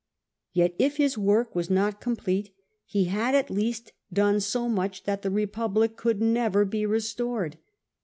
Yet if his wox*k was not complete, he had at least done so much that the Republic could never be restored.